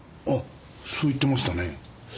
あっそう言ってましたね。